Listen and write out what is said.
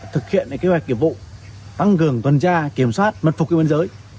thực hiện kế hoạch kiệm vụ băng cường tuần tra kiểm soát mật phục biên giới